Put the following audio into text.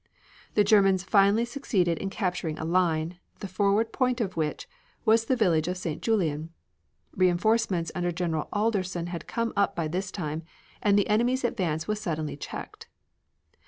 The Germans finally succeeded in capturing a line, the forward point of which was the village of St. Julien. Reinforcements under General Alderson had come up by this time and the enemy's advance was suddenly checked.